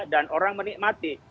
dan orang menikmati